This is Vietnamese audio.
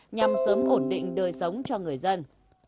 nhằm sớm ổn định đời sống cho người dân